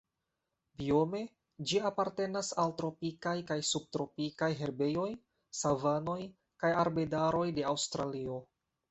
Biome ĝi apartenas al tropikaj kaj subtropikaj herbejoj, savanoj kaj arbedaroj de Aŭstralio.